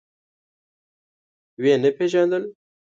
ويې نه پيژاندل.